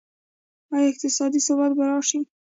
آیا اقتصادي ثبات به راشي؟